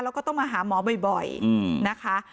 แล้วก็ต้องมาหาหมอบ่อยนะคะ